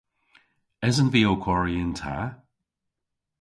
Esen vy ow kwari yn ta?